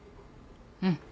うん。